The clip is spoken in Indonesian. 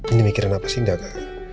ini mikiran apa sih ndaka